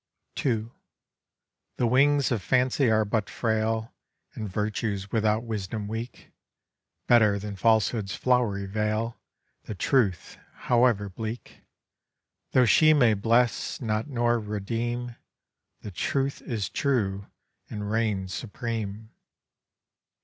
2. 'The wings of Fancy are but frail, And Virtue's without Wisdom weak; Better than Falsehood's flowery vale, The Truth, however bleak. Tho' she may bless not nor redeem, The Truth is true, and reigns supreme.